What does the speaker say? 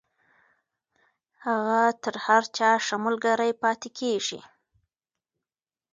هغه تر هر چا ښه ملگرې پاتې کېږي.